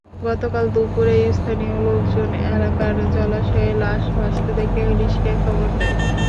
গতকাল দুপুরে স্থানীয় লোকজন এলাকার জলাশয়ে লাশ ভাসতে দেখে পুলিশকে খবর দেয়।